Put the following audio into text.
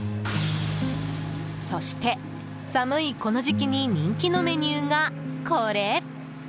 そして、寒いこの時期に人気のメニューがこれ。